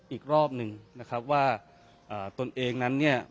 อีกรอบหนึ่งนะครับว่าตนเองนั้นเนี่ย